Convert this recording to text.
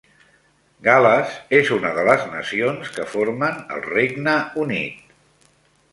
Gal·les és una de les nacions que formen el Regne Unit.